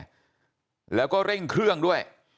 บอกแล้วบอกแล้วบอกแล้ว